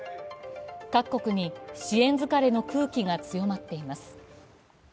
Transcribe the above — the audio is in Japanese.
各国に支援疲れの空気が強まっています。